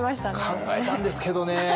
考えたんですけどね。